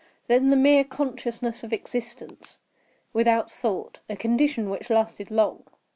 Then the mere consciousness of existence, without thought—a condition which lasted long.